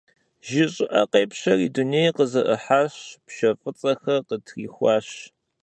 Жьы щӀыӀэ къепщэри, дунейр къызэӀыхьащ, пшэ фӀыцӀэхэр къытрихуащ.